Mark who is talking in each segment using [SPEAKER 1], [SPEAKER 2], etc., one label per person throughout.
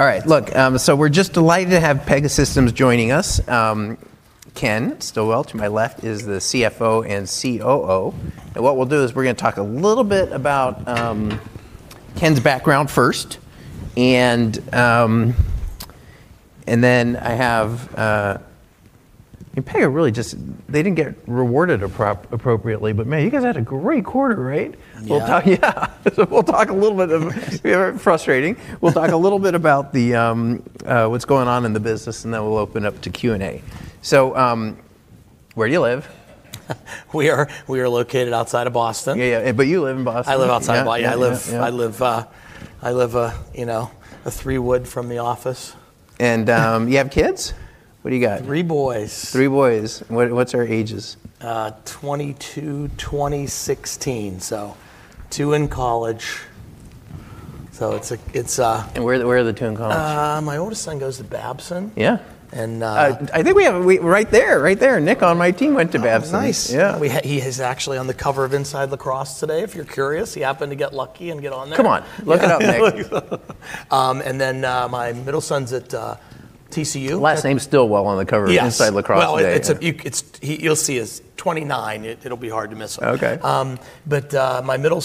[SPEAKER 1] All right. Look, we're just delighted to have Pegasystems joining us. Ken Stillwell, to my left, is the CFO and COO. What we'll do is we're gonna talk a little bit about Ken's background first. Pega really. They didn't get rewarded appropriately, but man, you guys had a great quarter, right?
[SPEAKER 2] Yeah.
[SPEAKER 1] Yeah. Very frustrating. We'll talk a little bit about the what's going on in the business, then we'll open up to Q&A. Where do you live?
[SPEAKER 2] We are located outside of Boston.
[SPEAKER 1] Yeah, yeah. You live in Boston.
[SPEAKER 2] I live outside of Boston.
[SPEAKER 1] Yeah, yeah. Yeah.
[SPEAKER 2] I live, you know, a three wood from the office.
[SPEAKER 1] You have kids? What do you got?
[SPEAKER 2] Three boys.
[SPEAKER 1] Three boys. What's their ages?
[SPEAKER 2] 22, 20, 16. two in college, it's.
[SPEAKER 1] Where are the two in college?
[SPEAKER 2] my oldest son goes to Babson.
[SPEAKER 1] Yeah.
[SPEAKER 2] And, uh-
[SPEAKER 1] I think we have a right there. Nick on my team went to Babson.
[SPEAKER 2] Oh, nice.
[SPEAKER 1] Yeah.
[SPEAKER 2] He is actually on the cover of Inside Lacrosse today, if you're curious. He happened to get lucky and get on there.
[SPEAKER 1] Come on. Look it up, Nick.
[SPEAKER 2] Yeah. My middle son's at TCU.
[SPEAKER 1] Last name Stillwell on the cover-
[SPEAKER 2] Yes
[SPEAKER 1] of Inside Lacrosse today.
[SPEAKER 2] Well, it's, you, He, you'll see is 29. It'll be hard to miss him.
[SPEAKER 1] Okay.
[SPEAKER 2] My middle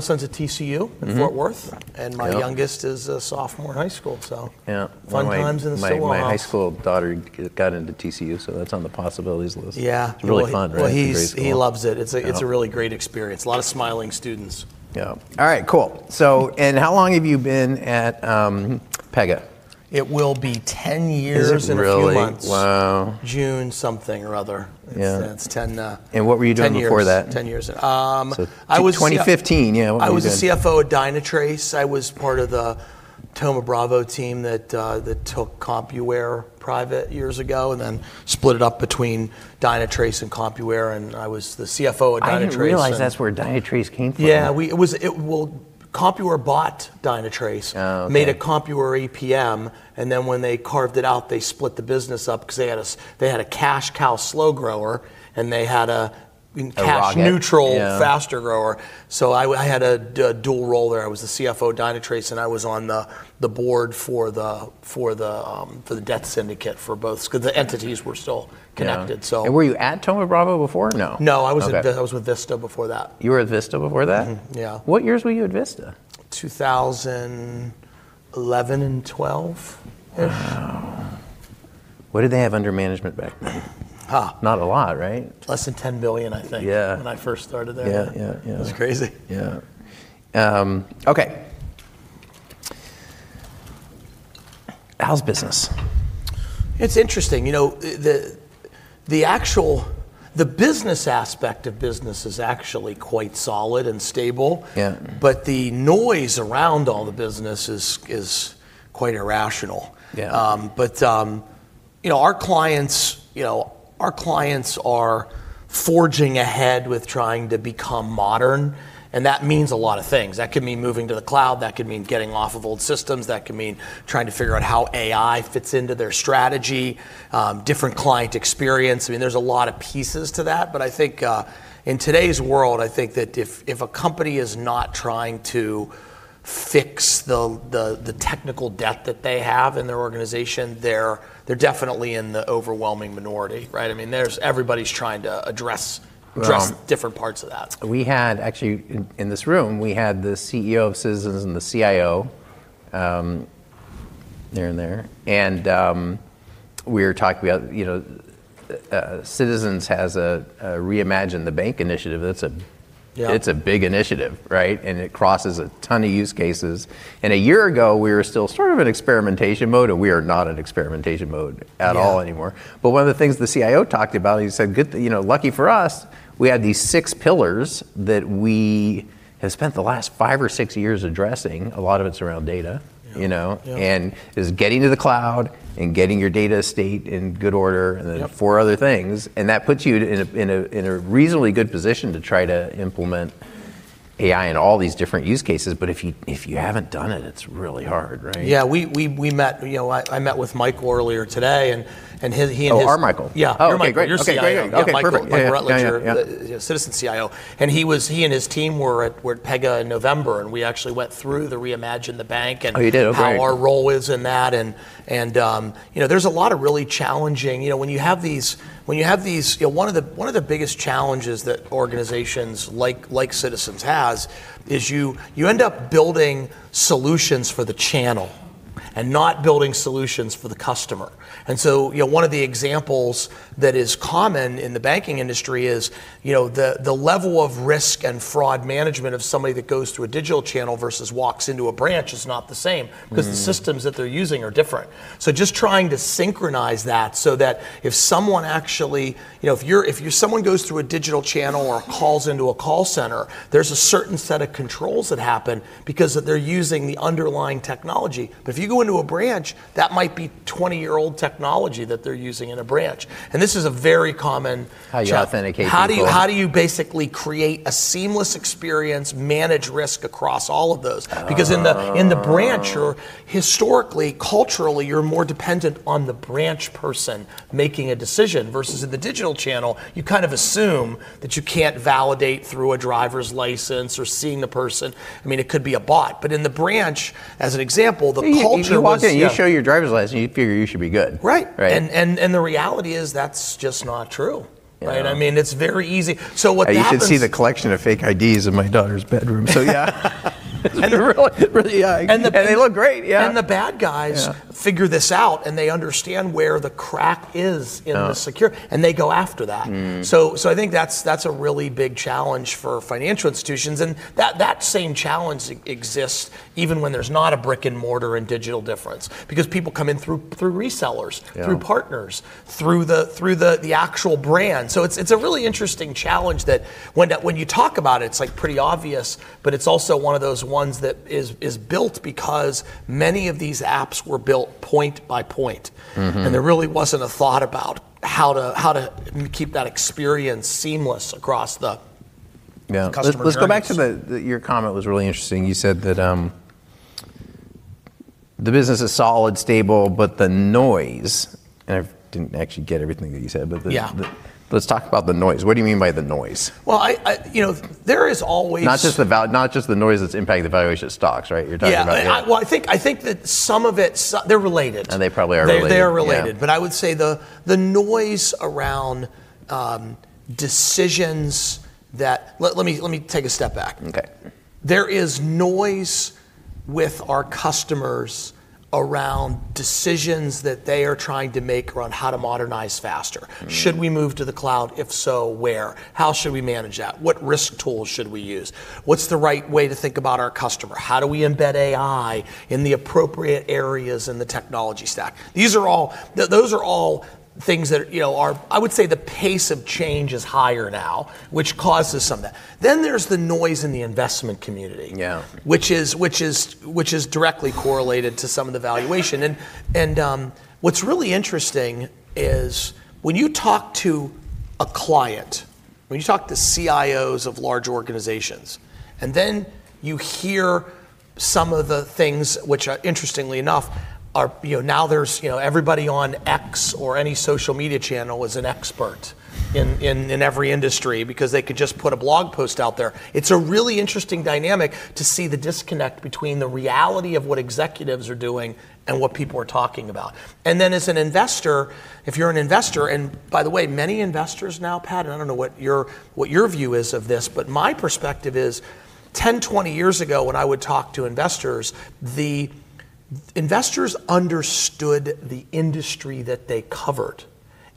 [SPEAKER 2] son's at TCU.
[SPEAKER 1] Mm-hmm...
[SPEAKER 2] in Fort Worth.
[SPEAKER 1] Yeah.
[SPEAKER 2] My youngest is a sophomore in high school.
[SPEAKER 1] Yeah
[SPEAKER 2] Fun times in the Stillwell house.
[SPEAKER 1] My high school daughter got into TCU, so that's on the possibilities list.
[SPEAKER 2] Yeah.
[SPEAKER 1] Really fun, right? It's a great school.
[SPEAKER 2] Well, he loves it.
[SPEAKER 1] Yeah.
[SPEAKER 2] It's a really great experience. Lot of smiling students.
[SPEAKER 1] Yeah. All right. Cool. How long have you been at Pega?
[SPEAKER 2] It will be 10 years.
[SPEAKER 1] Is it really?...
[SPEAKER 2] in a few months.
[SPEAKER 1] Wow.
[SPEAKER 2] June something or other.
[SPEAKER 1] Yeah.
[SPEAKER 2] It's 10.
[SPEAKER 1] What were you doing before that?...
[SPEAKER 2] 10 years. 10 years in. I was
[SPEAKER 1] 2015. Yeah. What were you doing?
[SPEAKER 2] I was a CFO at Dynatrace. I was part of the Thoma Bravo team that took Compuware private years ago and then split it up between Dynatrace and Compuware, and I was the CFO at Dynatrace.
[SPEAKER 1] I didn't realize that's where Dynatrace came from.
[SPEAKER 2] Yeah. Well, Compuware bought Dynatrace.
[SPEAKER 1] Oh, okay.
[SPEAKER 2] Made it Compuware APM. When they carved it out, they split the business up 'cause they had a cash cow slow grower.
[SPEAKER 1] A rocket....
[SPEAKER 2] a cash neutral-
[SPEAKER 1] Yeah...
[SPEAKER 2] faster grower. I had a dual role there. I was the CFO of Dynatrace, and I was on the board for the debt syndicate for both... 'cause the entities were still connected, so.
[SPEAKER 1] Yeah. Were you at Thoma Bravo before? No.
[SPEAKER 2] No, I was at.
[SPEAKER 1] Okay...
[SPEAKER 2] I was with Vista before that.
[SPEAKER 1] You were at Vista before that?
[SPEAKER 2] Mm-hmm. Yeah.
[SPEAKER 1] What years were you at Vista?
[SPEAKER 2] 2011 and 2012-ish.
[SPEAKER 1] Wow. What did they have under management back then?
[SPEAKER 2] Huh.
[SPEAKER 1] Not a lot, right?
[SPEAKER 2] Less than $10 billion, I think.
[SPEAKER 1] Yeah...
[SPEAKER 2] when I first started there.
[SPEAKER 1] Yeah, yeah.
[SPEAKER 2] It was crazy.
[SPEAKER 1] Yeah. okay. How's business?
[SPEAKER 2] It's interesting. You know, the actual, the business aspect of business is actually quite solid and stable.
[SPEAKER 1] Yeah.
[SPEAKER 2] the noise around all the business is quite irrational.
[SPEAKER 1] Yeah.
[SPEAKER 2] You know, our clients are forging ahead with trying to become modern, and that means a lot of things. That could mean moving to the cloud, that could mean getting off of old systems, that could mean trying to figure out how AI fits into their strategy, different client experience. I mean, there's a lot of pieces to that. I think in today's world, I think that if a company is not trying to fix the technical debt that they have in their organization, they're definitely in the overwhelming minority, right? I mean, everybody's trying to address-
[SPEAKER 1] Well-...
[SPEAKER 2] address different parts of that....
[SPEAKER 1] we had actually, in this room, we had the CEO of Citizens and the CIO, there and there, and we were talking about, you know, Citizens has a Reimagine the Bank initiative. That's a
[SPEAKER 2] Yeah...
[SPEAKER 1] it's a big initiative, right? It crosses a ton of use cases. A year ago, we were still sort of in experimentation mode, and we are not in experimentation mode at all anymore.
[SPEAKER 2] Yeah.
[SPEAKER 1] One of the things the CIO talked about, he said, "You know, lucky for us, we had these six pillars that we had spent the last five or six years addressing.
[SPEAKER 2] Yeah.
[SPEAKER 1] A lot of it's around data.
[SPEAKER 2] Yeah.
[SPEAKER 1] You know?
[SPEAKER 2] Yeah.
[SPEAKER 1] It was getting to the cloud and getting your data estate in good order.
[SPEAKER 2] Yeah...
[SPEAKER 1] and then four other things, and that puts you in a reasonably good position to try to implement AI in all these different use cases. If you haven't done it's really hard, right?
[SPEAKER 2] Yeah. You know, I met with Michael earlier today, he and his.
[SPEAKER 1] Oh, our Michael?
[SPEAKER 2] Yeah.
[SPEAKER 1] Okay. Great.
[SPEAKER 2] You're Michael. You're CIO.
[SPEAKER 1] Okay. Great. Yeah. Perfect. Yeah.
[SPEAKER 2] Yeah. Michael Ruttledge.
[SPEAKER 1] Yeah, yeah. Yeah...
[SPEAKER 2] Citizens CIO. He and his team were at Pega in November, and we actually went through the Reimagine the Bank...
[SPEAKER 1] Oh, you did? Oh, great.
[SPEAKER 2] how our role is in that. You know, there's a lot of really challenging. You know, when you have these. You know, one of the biggest challenges that organizations like Citizens has is you end up building solutions for the channel. Not building solutions for the customer. You know, one of the examples that is common in the banking industry is, you know, the level of risk and fraud management of somebody that goes through a digital channel versus walks into a branch is not the same.
[SPEAKER 1] Mm
[SPEAKER 2] cause the systems that they're using are different. Just trying to synchronize that so that if someone actually, you know, if someone goes through a digital channel or calls into a call center, there's a certain set of controls that happen because of they're using the underlying technology. If you go into a branch, that might be 20-year-old technology that they're using in a branch, and this is a very common challenge.
[SPEAKER 1] How you authenticate people.
[SPEAKER 2] How do you basically create a seamless experience, manage risk across all of those?
[SPEAKER 1] Oh.
[SPEAKER 2] In the branch, you're historically, culturally, you're more dependent on the branch person making a decision, versus in the digital channel, you kind of assume that you can't validate through a driver's license or seeing the person. I mean, it could be a bot. In the branch, as an example, the culture was-
[SPEAKER 1] You walk in, you show your driver's license, you figure you should be good.
[SPEAKER 2] Right.
[SPEAKER 1] Right.
[SPEAKER 2] The reality is that's just not true.
[SPEAKER 1] Yeah.
[SPEAKER 2] Right? I mean, it's very easy.
[SPEAKER 1] You should see the collection of fake IDs in my daughter's bedroom, so yeah. It really, really, yeah.
[SPEAKER 2] And the-
[SPEAKER 1] They look great, yeah....
[SPEAKER 2] and the bad guys...
[SPEAKER 1] Yeah...
[SPEAKER 2] figure this out, and they understand where the crack is.
[SPEAKER 1] Oh...
[SPEAKER 2] the secure, and they go after that.
[SPEAKER 1] Mm.
[SPEAKER 2] I think that's a really big challenge for financial institutions, and that same challenge exists even when there's not a brick-and-mortar and digital difference because people come in through resellers.
[SPEAKER 1] Yeah...
[SPEAKER 2] through partners, through the actual brand. It's a really interesting challenge that when you talk about it's, like, pretty obvious, but it's also one of those ones that is built because many of these apps were built point by point.
[SPEAKER 1] Mm-hmm.
[SPEAKER 2] There really wasn't a thought about how to keep that experience seamless across.
[SPEAKER 1] Yeah...
[SPEAKER 2] the customer journeys.
[SPEAKER 1] Let's go back to the. Your comment was really interesting. You said that, the business is solid, stable, but the noise. I didn't actually get everything that you said, but the.
[SPEAKER 2] Yeah
[SPEAKER 1] Let's talk about the noise. What do you mean by the noise?
[SPEAKER 2] Well, I, you know.
[SPEAKER 1] Not just the noise that's impacting the valuation of stocks, right? You're talking about the-
[SPEAKER 2] Yeah. I, well, I think that some of it's... They're related.
[SPEAKER 1] They probably are related.
[SPEAKER 2] They are related.
[SPEAKER 1] Yeah.
[SPEAKER 2] I would say the noise around decisions that. Let me take a step back.
[SPEAKER 1] Okay.
[SPEAKER 2] There is noise with our customers around decisions that they are trying to make around how to modernize faster.
[SPEAKER 1] Mm.
[SPEAKER 2] Should we move to the cloud? If so, where? How should we manage that? What risk tools should we use? What's the right way to think about our customer? How do we embed AI in the appropriate areas in the technology stack? Those are all things that are, you know, are. I would say the pace of change is higher now, which causes some of that. There's the noise in the investment community.
[SPEAKER 1] Yeah
[SPEAKER 2] ...which is directly correlated to some of the valuation. What's really interesting is when you talk to a client, when you talk to CIOs of large organizations, and then you hear some of the things which are, interestingly enough, are... You know, now there's, you know, everybody on X or any social media channel is an expert in every industry because they could just put a blog post out there. It's a really interesting dynamic to see the disconnect between the reality of what executives are doing and what people are talking about. Then as an investor, if you're an investor... By the way, many investors now, Pat, I don't know what your view is of this, but my perspective is 10, 20 years ago, when I would talk to investors, the investors understood the industry that they covered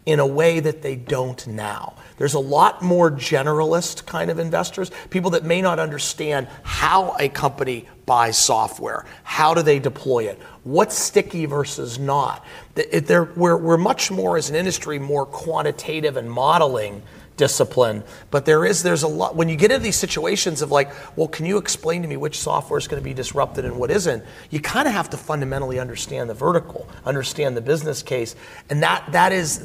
[SPEAKER 2] in a way that they don't now. There's a lot more generalist kind of investors, people that may not understand how a company buys software. How do they deploy it? What's sticky versus not? We're much more as an industry, more quantitative and modeling discipline, but there's a lot. When you get into these situations of, like, "Well, can you explain to me which software is gonna be disrupted and what isn't?" You kind of have to fundamentally understand the vertical, understand the business case, and that is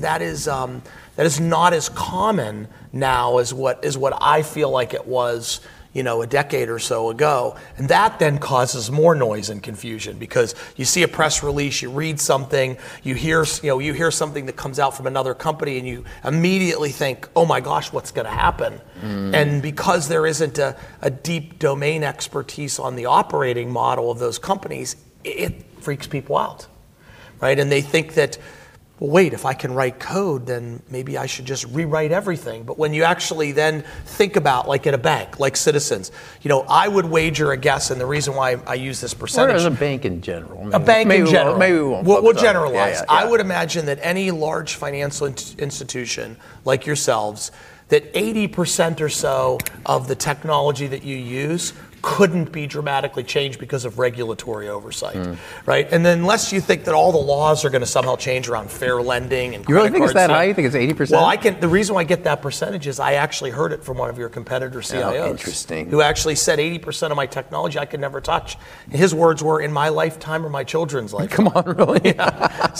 [SPEAKER 2] not as common now as what I feel like it was, you know, a decade or so ago. That then causes more noise and confusion because you see a press release, you read something, you know, you hear something that comes out from another company and you immediately think, "Oh my gosh, what's gonna happen?
[SPEAKER 1] Mm.
[SPEAKER 2] Because there isn't a deep domain expertise on the operating model of those companies, it freaks people out, right? They think that, "Well, wait, if I can write code, then maybe I should just rewrite everything." When you actually then think about, like in a bank, like Citizens, you know, I would wager a guess, and the reason why I use this percentage-.
[SPEAKER 1] as a bank in general.
[SPEAKER 2] A bank in general.
[SPEAKER 1] Maybe we won't focus on.
[SPEAKER 2] We'll generalize.
[SPEAKER 1] Yeah, yeah.
[SPEAKER 2] I would imagine that any large financial institution like yourselves, that 80% or so of the technology that you use couldn't be dramatically changed because of regulatory oversight.
[SPEAKER 1] Mm.
[SPEAKER 2] Right? Unless you think that all the laws are gonna somehow change around fair lending and credit cards and...
[SPEAKER 1] You really think it's that high? You think it's 80%?
[SPEAKER 2] Well, the reason why I get that % is I actually heard it from one of your competitor CIOs.
[SPEAKER 1] Oh, interesting....
[SPEAKER 2] who actually said, "80% of my technology I could never touch." His words were, "In my lifetime or my children's lifetime.
[SPEAKER 1] Come on, really?
[SPEAKER 2] I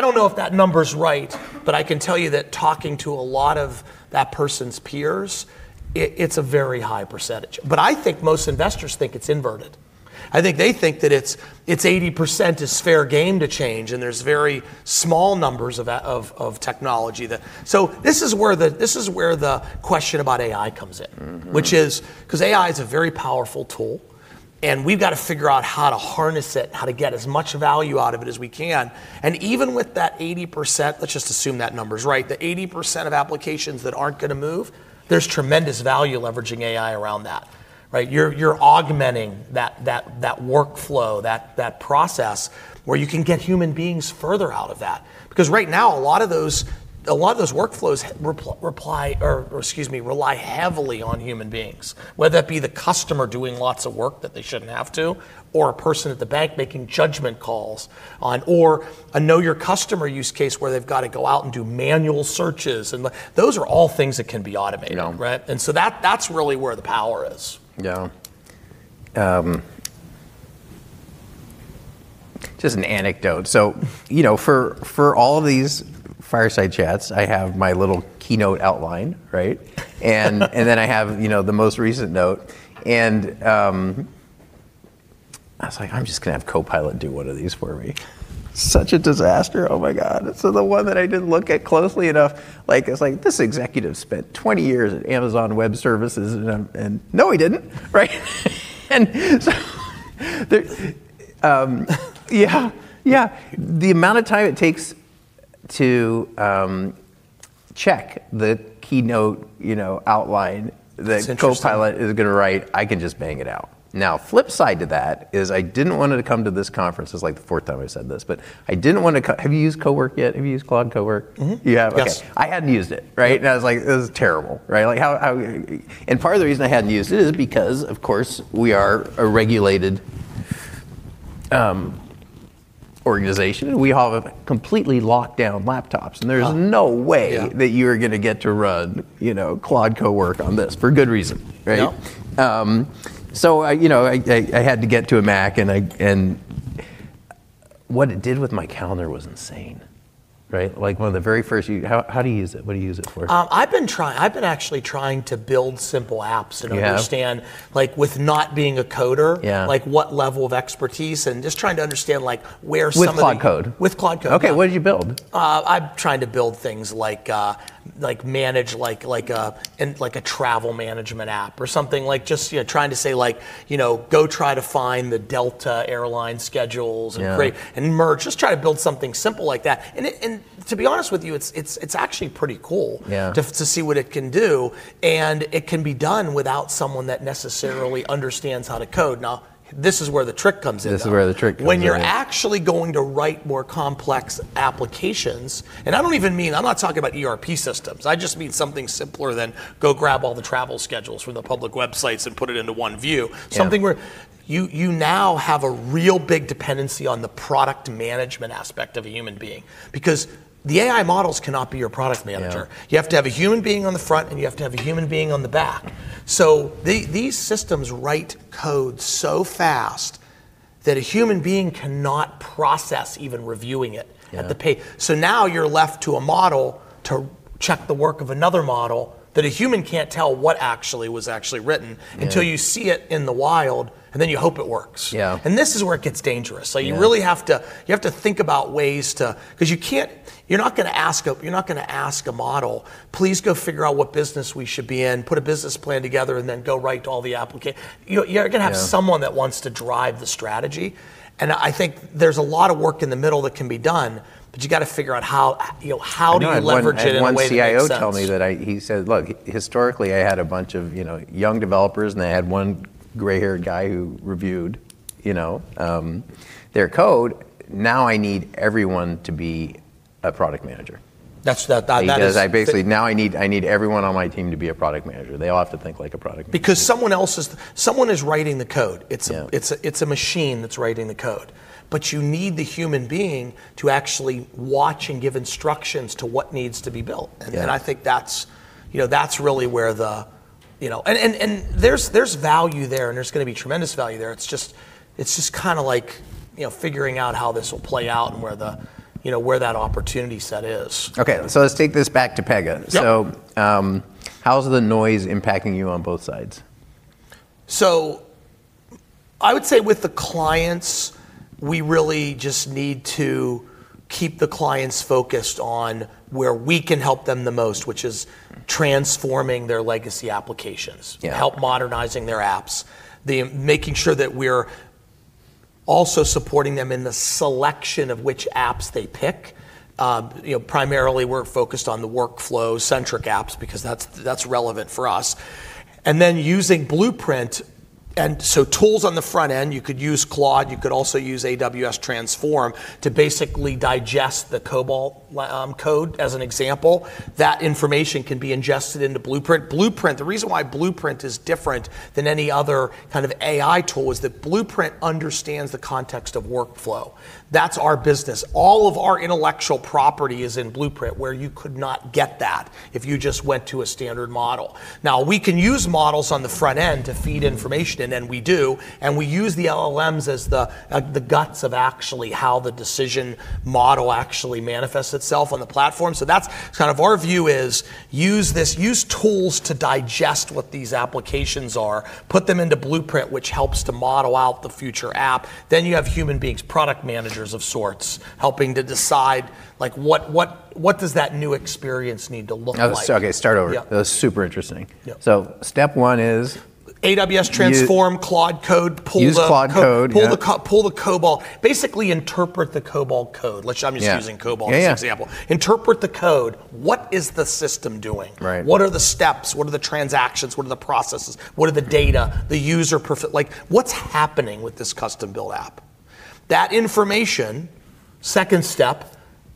[SPEAKER 2] don't know if that number's right, but I can tell you that talking to a lot of that person's peers, it's a very high percentage. I think most investors think it's inverted. I think they think that it's 80% is fair game to change, and there's very small numbers of that, of technology that. This is where the question about AI comes in.
[SPEAKER 1] Mm-hmm.
[SPEAKER 2] Because AI is a very powerful tool, we've gotta figure out how to harness it, how to get as much value out of it as we can. Even with that 80%, let's just assume that number's right, the 80% of applications that aren't gonna move, there's tremendous value leveraging AI around that, right? You're augmenting that workflow, that process where you can get human beings further out of that. Because right now a lot of those, a lot of those workflows rely, or excuse me, rely heavily on human beings, whether that be the customer doing lots of work that they shouldn't have to, or a person at the bank making judgment calls on, or a Know Your Customer use case where they've gotta go out and do manual searches and the. Those are all things that can be automated.
[SPEAKER 1] Yeah.
[SPEAKER 2] Right? That's really where the power is.
[SPEAKER 1] Just an anecdote. You know, for all of these fireside chats, I have my little keynote outline, right? Then I have, you know, the most recent note. I was like, "I'm just gonna have Copilot do one of these for me." Such a disaster. Oh my God. The one that I didn't look at closely enough, like it's like, "This executive spent 20 years at Amazon Web Services and..." No, he didn't. Right? The amount of time it takes to check the keynote, you know, outline-
[SPEAKER 2] It's interesting....
[SPEAKER 1] that Microsoft Copilot is gonna write, I can just bang it out. Now, flip side to that is I didn't want to come to this conference, it's like the fourth time I've said this. Have you used Cowork yet? Have you used Claude Cowork?
[SPEAKER 2] Mm-hmm.
[SPEAKER 1] You have? Okay.
[SPEAKER 2] Yes.
[SPEAKER 1] I hadn't used it, right? I was like, "This is terrible," right? Like, how. Part of the reason I hadn't used it is because of course we are a regulated, organization and we all have completely locked down laptops.
[SPEAKER 2] Oh.
[SPEAKER 1] There's no way.
[SPEAKER 2] Yeah...
[SPEAKER 1] that you are gonna get to run, you know, Claude Cowork on this, for good reason, right?
[SPEAKER 2] No.
[SPEAKER 1] I, you know, I had to get to a Mac and I... What it did with my calendar was insane, right? Like one of the very first How do you use it? What do you use it for?
[SPEAKER 2] I've been actually trying to build simple apps.
[SPEAKER 1] Yeah...
[SPEAKER 2] and understand like with not being a coder-
[SPEAKER 1] Yeah...
[SPEAKER 2] like what level of expertise, and just trying to understand like where some of the-
[SPEAKER 1] With Claude Code?
[SPEAKER 2] With Claude Code.
[SPEAKER 1] What did you build?
[SPEAKER 2] I've tried to build things like a travel management app or something. Like, just, you know, trying to say, you know, go try to find the Delta Air Lines schedules.
[SPEAKER 1] Yeah...
[SPEAKER 2] and create, and merge. Just trying to build something simple like that. To be honest with you it's actually pretty cool...
[SPEAKER 1] Yeah...
[SPEAKER 2] to see what it can do, and it can be done without someone that necessarily understands how to code. Now, this is where the trick comes in though.
[SPEAKER 1] This is where the trick comes in.
[SPEAKER 2] When you're actually going to write more complex applications. I don't even mean, I'm not talking about ERP systems. I just mean something simpler than go grab all the travel schedules from the public websites and put it into one view.
[SPEAKER 1] Yeah.
[SPEAKER 2] Something where you now have a real big dependency on the product management aspect of a human being because the AI models cannot be your product manager.
[SPEAKER 1] Yeah.
[SPEAKER 2] You have to have a human being on the front, and you have to have a human being on the back. These systems write code so fast that a human being cannot process even reviewing it.
[SPEAKER 1] Yeah...
[SPEAKER 2] So now you're left to a model to check the work of another model that a human can't tell what actually was actually written.
[SPEAKER 1] Yeah...
[SPEAKER 2] until you see it in the wild, and then you hope it works.
[SPEAKER 1] Yeah.
[SPEAKER 2] This is where it gets dangerous.
[SPEAKER 1] Yeah.
[SPEAKER 2] You really have to think about ways to. Because you can't. You're not gonna ask a model, "Please go figure out what business we should be in, put a business plan together, and then go write all the." You're gonna have.
[SPEAKER 1] Yeah...
[SPEAKER 2] someone that wants to drive the strategy. I think there's a lot of work in the middle that can be done, but you gotta figure out how, you know, how do you leverage it in a way that makes sense.
[SPEAKER 1] I know. One CEO told me that He says, "Look, historically, I had a bunch of, you know, young developers and they had one gray-haired guy who reviewed, you know, their code. Now I need everyone to be a product manager.
[SPEAKER 2] That's... That, that, that is-
[SPEAKER 1] He goes, "I basically, now I need everyone on my team to be a product manager. They all have to think like a product manager.
[SPEAKER 2] Someone is writing the code. It's.
[SPEAKER 1] Yeah...
[SPEAKER 2] it's a machine that's writing the code, but you need the human being to actually watch and give instructions to what needs to be built.
[SPEAKER 1] Yeah.
[SPEAKER 2] I think that's, you know, that's really where the, you know. There's value there and there's gonna be tremendous value there. It's just kinda like, you know, figuring out how this will play out and where the, you know, where that opportunity set is.
[SPEAKER 1] Okay. Let's take this back to Pega.
[SPEAKER 2] Yeah.
[SPEAKER 1] How's the noise impacting you on both sides?
[SPEAKER 2] I would say with the clients, we really just need to keep the clients focused on where we can help them the most, which is transforming their legacy applications.
[SPEAKER 1] Yeah.
[SPEAKER 2] Help modernizing their apps. Making sure that we're also supporting them in the selection of which apps they pick. you know, primarily we're focused on the workflow-centric apps because that's relevant for us. using Blueprint. tools on the front end, you could use Claude, you could also use AWS Transform to basically digest the COBOL code as an example. That information can be ingested into Blueprint. Blueprint, the reason why Blueprint is different than any other kind of AI tool is that Blueprint understands the context of workflow. That's our business. All of our intellectual property is in Blueprint, where you could not get that if you just went to a standard model. Now, we can use models on the front end to feed information in, and we do, and we use the LLMs as the guts of actually how the decision model actually manifests itself on the platform. Kind of our view is use this, use tools to digest what these applications are, put them into Blueprint, which helps to model out the future app. Then you have human beings, product managers of sorts, helping to decide like what does that new experience need to look like?
[SPEAKER 1] Okay. Start over.
[SPEAKER 2] Yeah.
[SPEAKER 1] That was super interesting.
[SPEAKER 2] Yeah.
[SPEAKER 1] step one is?
[SPEAKER 2] AWS-
[SPEAKER 1] Use-...
[SPEAKER 2] transform Claude Code, pull the-
[SPEAKER 1] Use Claude Code. Yeah...
[SPEAKER 2] code, pull the COBOL. Basically interpret the COBOL code. I'm just using COBOL.
[SPEAKER 1] Yeah, yeah.
[SPEAKER 2] as an example. Interpret the code. What is the system doing?
[SPEAKER 1] Right.
[SPEAKER 2] What are the steps? What are the transactions? What are the processes? What are the data, the user Like, what's happening with this custom-built app? That information, second step,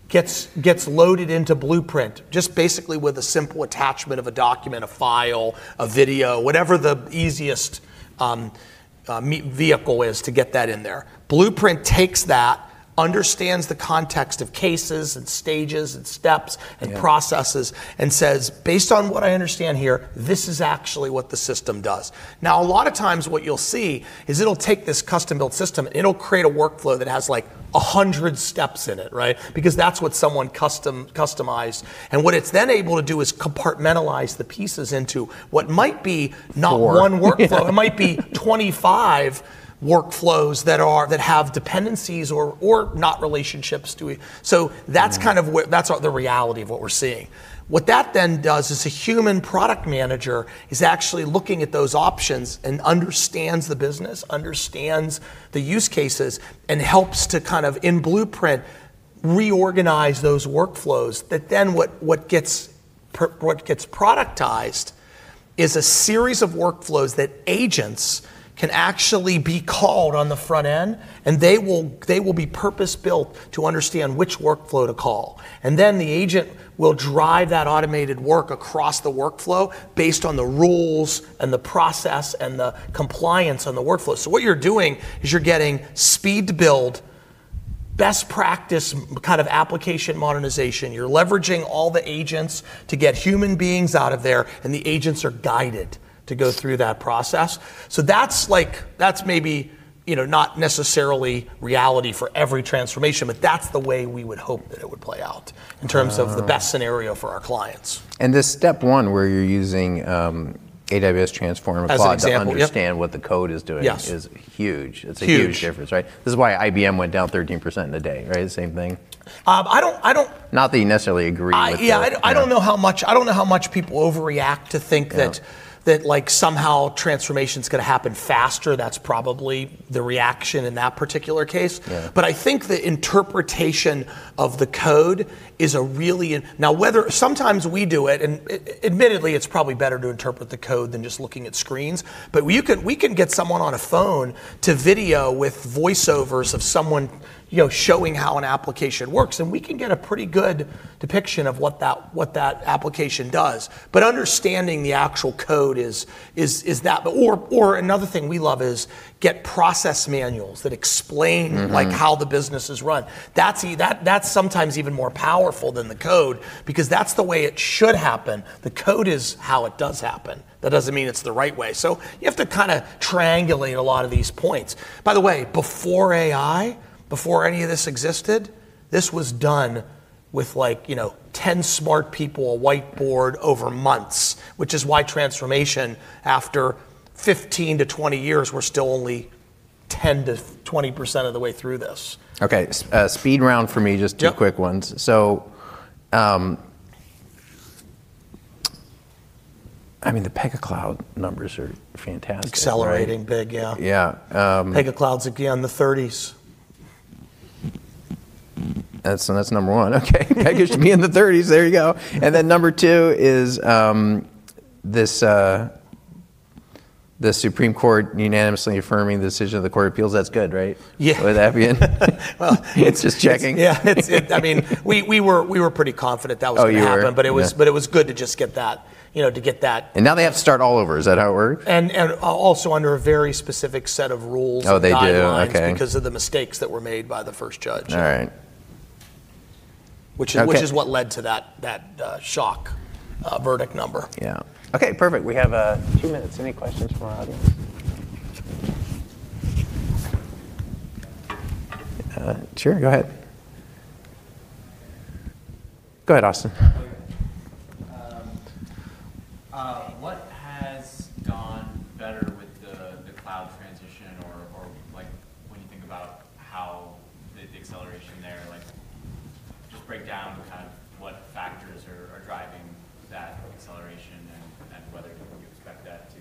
[SPEAKER 2] gets loaded into Blueprint, just basically with a simple attachment of a document, a file, a video. Whatever the easiest vehicle is to get that in there. Blueprint takes that, understands the context of cases and stages and steps and processes.
[SPEAKER 1] Yeah...
[SPEAKER 2] and says, "Based on what I understand here, this is actually what the system does." A lot of times what you'll see is it'll take this custom-built system and it'll create a workflow that has, like, 100 steps in it, right? That's what someone customized. What it's then able to do is compartmentalize the pieces into what might be not one workflow.
[SPEAKER 1] Four....
[SPEAKER 2] it might be 25 workflows that have dependencies or not relationships to a. That's.
[SPEAKER 1] Yeah
[SPEAKER 2] kind of where, that's what the reality of what we're seeing. What that then does is a human product manager is actually looking at those options and understands the business, understands the use cases, and helps to kind of, in Blueprint, reorganize those workflows that then what gets productized is a series of workflows that agents can actually be called on the front end, and they will be purpose-built to understand which workflow to call. The agent will drive that automated work across the workflow based on the rules and the process and the compliance on the workflow. What you're doing is you're getting speed to build, best practice kind of application modernization. You're leveraging all the agents to get human beings out of there, and the agents are guided to go through that process. That's like. that's maybe, you know, not necessarily reality for every transformation, but that's the way we would hope that it would play out.
[SPEAKER 1] Oh
[SPEAKER 2] in terms of the best scenario for our clients.
[SPEAKER 1] This step one where you're using, AWS Transform.
[SPEAKER 2] As an example. Yep....
[SPEAKER 1] to understand what the code is doing.
[SPEAKER 2] Yes...
[SPEAKER 1] is huge.
[SPEAKER 2] Huge.
[SPEAKER 1] It's a huge difference, right? This is why IBM went down 13% in a day, right? The same thing.
[SPEAKER 2] I don't.
[SPEAKER 1] Not that you necessarily agree with.
[SPEAKER 2] Yeah. I don't know how much people overreact to think that.
[SPEAKER 1] Yeah...
[SPEAKER 2] that, like, somehow transformation's gonna happen faster. That's probably the reaction in that particular case.
[SPEAKER 1] Yeah.
[SPEAKER 2] I think the interpretation of the code is a really. Now whether. Sometimes we do it, and admittedly, it's probably better to interpret the code than just looking at screens. We can get someone on a phone to video with voiceovers of someone, you know, showing how an application works, and we can get a pretty good depiction of what that application does. Understanding the actual code is that. Another thing we love is get process manuals that explain.
[SPEAKER 1] Mm-hmm...
[SPEAKER 2] like, how the business is run. That's sometimes even more powerful than the code because that's the way it should happen. The code is how it does happen. That doesn't mean it's the right way. You have to kinda triangulate a lot of these points. By the way, before AI, before any of this existed, this was done with, like, you know, 10 smart people, a whiteboard over months. Which is why transformation after 15-20 years, we're still only 10%-20% of the way through this.
[SPEAKER 1] Okay. speed round for me. Just two-
[SPEAKER 2] Yep...
[SPEAKER 1] quick ones. I mean, the Pega Cloud numbers are fantastic.
[SPEAKER 2] Accelerating big. Yeah.
[SPEAKER 1] Yeah.
[SPEAKER 2] Pega Cloud's gonna be in the 30s.
[SPEAKER 1] That's, so that's number one. Okay. Pega should be in the 30s. There you go. Number two is this, the Supreme Court unanimously affirming the decision of the Court of Appeals. That's good, right?
[SPEAKER 2] Yeah.
[SPEAKER 1] Would that be in-?
[SPEAKER 2] Well-
[SPEAKER 1] It's just checking.
[SPEAKER 2] Yeah. It's, I mean, we were pretty confident that was gonna happen.
[SPEAKER 1] Oh, you were? Yeah.
[SPEAKER 2] It was good to just get that, you know, to get that.
[SPEAKER 1] Now they have to start all over. Is that how it works?
[SPEAKER 2] also under a very specific set of rules.
[SPEAKER 1] Oh, they do? Okay....
[SPEAKER 2] and guidelines because of the mistakes that were made by the first judge.
[SPEAKER 1] All right. Okay.
[SPEAKER 2] Which is what led to that shock verdict number.
[SPEAKER 1] Yeah. Okay, perfect. We have two minutes. Any questions from our audience? Sure. Go ahead. Go ahead, Austin.
[SPEAKER 3] Oh, yeah. What has gone better with the cloud transition or, like, when you think about how the acceleration there, like, just break down kind of what factors are driving that acceleration and whether you expect that to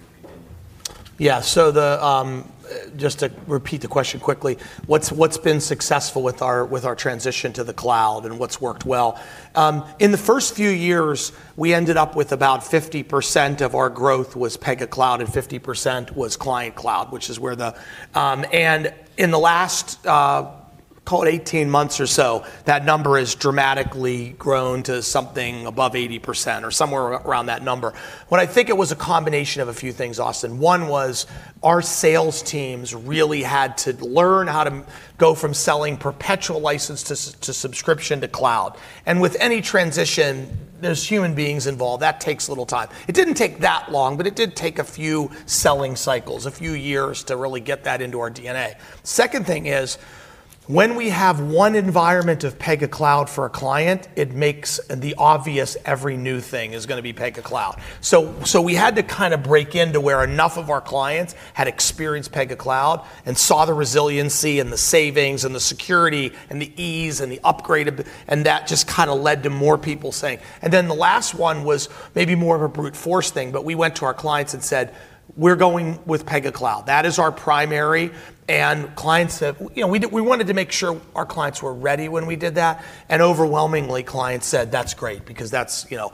[SPEAKER 3] continue?
[SPEAKER 2] Just to repeat the question quickly. What's been successful with our transition to the cloud, and what's worked well? In the first few years, we ended up with about 50% of our growth was Pega Cloud and 50% was Client Cloud, which is where the. In the last, call it 18 months or so, that number has dramatically grown to something above 80% or somewhere around that number. What I think it was a combination of a few things, Austin. One was our sales teams really had to learn how to go from selling perpetual license to subscription to cloud. With any transition, there's human beings involved. That takes a little time. It didn't take that long, but it did take a few selling cycles, a few years to really get that into our DNA. Second thing is, when we have one environment of Pega Cloud for a client, it makes the obvious every new thing is gonna be Pega Cloud. so we had to kind of break into where enough of our clients had experienced Pega Cloud and saw the resiliency and the savings and the security and the ease and the upgrade of the... That just kinda led to more people saying... The last one was maybe more of a brute force thing, but we went to our clients and said, "We're going with Pega Cloud. That is our primary." Clients said... You know, we wanted to make sure our clients were ready when we did that. Overwhelmingly clients said, "That's great," because that's, you know.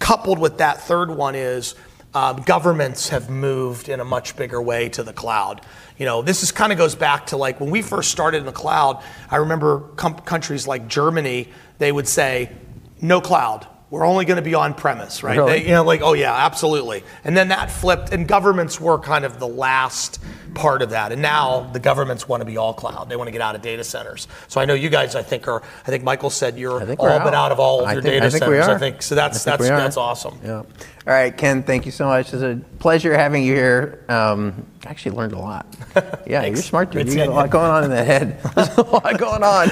[SPEAKER 2] Coupled with that third one is, governments have moved in a much bigger way to the cloud. You know, this is kinda goes back to, like, when we first started in the cloud, I remember countries like Germany, they would say, "No cloud. We're only gonna be on premise," right?
[SPEAKER 1] Really?
[SPEAKER 2] You know, like, oh, yeah, absolutely. Then that flipped, governments were kind of the last part of that. Now the governments want to be all cloud. They want to get out of data centers. I know you guys, I think.
[SPEAKER 1] I think we are...
[SPEAKER 2] open out of all of your data centers.
[SPEAKER 1] I think we are....
[SPEAKER 2] I think. That's.
[SPEAKER 1] I think we are
[SPEAKER 2] that's awesome.
[SPEAKER 1] Yeah. All right, Ken, thank you so much. It's a pleasure having you here. I actually learned a lot. Yeah, you're a smart dude.
[SPEAKER 2] It's.
[SPEAKER 1] You got a lot going on in the head. There's a lot going on.